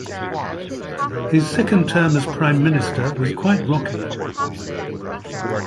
His second term as Prime Minister was quite rocky.